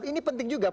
ini penting juga